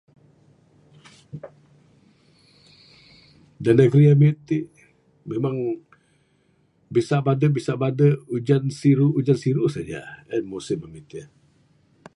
De negeri ami ti, memang bisa bade bisa bade, ujan siru ujan siru saja. En musim ami ti.